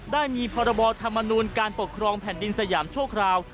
ได้มีพรบธรรมนูลการปกครองแผ่นดินสยามชั่วคราว